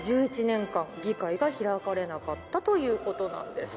１１年間議会が開かれなかったということなんです。